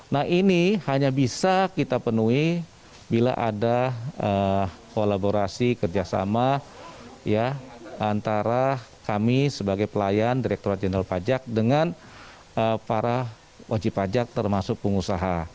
nah ini hanya bisa kita penuhi bila ada kolaborasi kerjasama antara kami sebagai pelayan direkturat jenderal pajak dengan para wajib pajak termasuk pengusaha